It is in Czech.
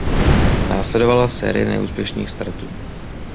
Následovala série neúspěšných startů.